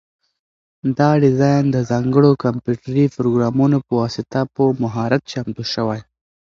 دا ډیزاین د ځانګړو کمپیوټري پروګرامونو په واسطه په مهارت چمتو شوی.